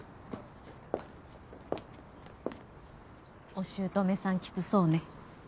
お姑さんきつそうね。